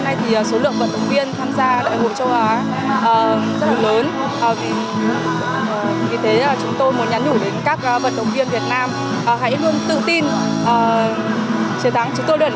hãy luôn tự tin chờ tắng chúng tôi đợi ở nhà cổ vũ cho các bạn